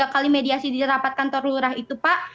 tiga kali mediasi di rapat kantor lurah itu pak